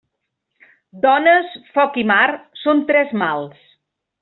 Dones, foc i mar són tres mals.